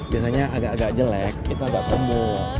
biasanya agak agak jelek kita agak sembuh